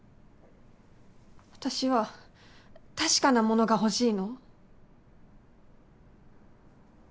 私は確かなものが欲しいの。